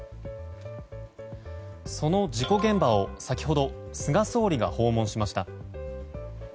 その事故現場を先ほど菅総理が訪問しました。